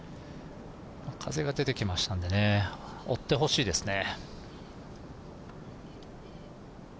風が出てきましたんで追ってほしいですね。